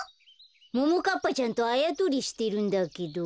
ももかっぱちゃんとあやとりしてるんだけど。